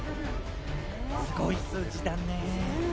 すごい数字だね。